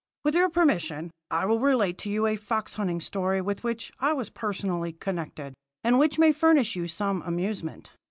With your permission, I will relate to you a fox hunting story with which I was personally connected, and which may furnish you some amusement.'